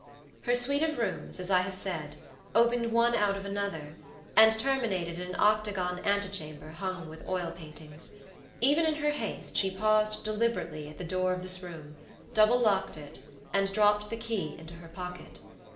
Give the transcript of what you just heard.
Her suite of rooms, as I have said, opened one out of another, and terminated in an octagon antechamber hung with oil paintings. Even in her haste she paused deliberately at the door of this room, double locked it, and dropped the key into her pocket.